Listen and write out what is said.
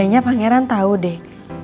kayaknya pangeran tau dek